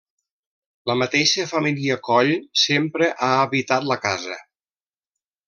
La mateixa família Coll sempre ha habitat la casa.